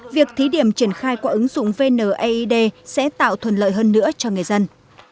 việc thí điểm triển khai qua ứng dụng vneid sẽ tạo thuận lợi hơn nữa cho người dân